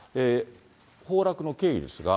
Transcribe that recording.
崩落の経緯ですが。